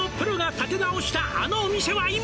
「立て直したあのお店は今！？」